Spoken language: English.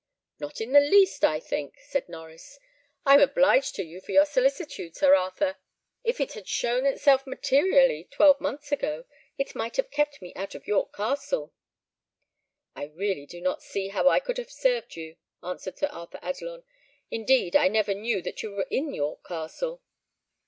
"Not in the least, I think," said Norries. "I am obliged to you for your solicitude, Sir Arthur. If it had shown itself materially twelve months ago, it might have kept me out of York Castle." "I really do not see how I could have served you," answered Sir Arthur Adelon; "indeed, I never knew that you were in York Castle."